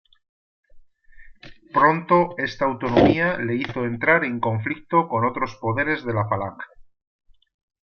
Pronto esta autonomía le hizo entrar en conflicto con otros poderes de la Falange.